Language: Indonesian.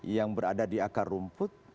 yang berada di akar rumput